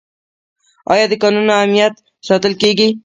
آیا د کانونو امنیت ساتل کیږي؟